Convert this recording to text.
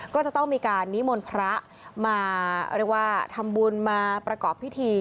ก็จะต้องมีการนิมนต์พระมาเรียกว่าทำบุญมาประกอบพิธี